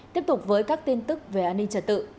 tiếp tục với các tin tức về an ninh trật tự